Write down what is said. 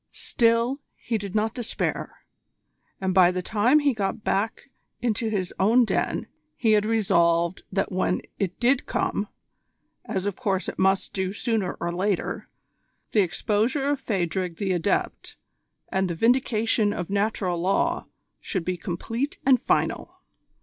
Still, he did not despair; and by the time he got back into his own den he had resolved that when it did come, as of course it must do sooner or later, the exposure of Phadrig the Adept and the vindication of Natural Law should be complete and final.